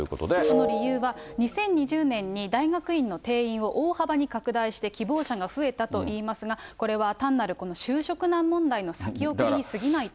その理由は、２０２０年に大学院の定員を大幅に拡大して、希望者が増えたといいますが、これは単なる、この就職難問題の先送りにすぎないと。